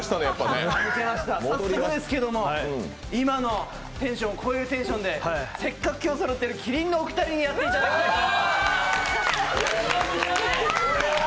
早速ですけども今のテンションを超えるテンションでせっかく今日そろってる麒麟のお二人にやっていただこうと。